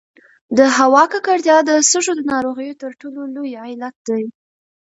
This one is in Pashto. د هوا ککړتیا د سږو د ناروغیو تر ټولو لوی علت دی.